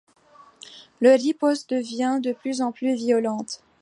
Leur riposte devient de plus en plus violente...